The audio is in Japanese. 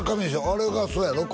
あれがそうやろ？